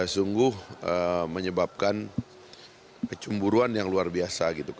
sungguh menyebabkan kecumburuan yang luar biasa gitu